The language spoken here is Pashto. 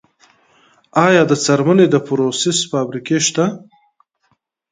آیا د څرمنې د پروسس فابریکې شته؟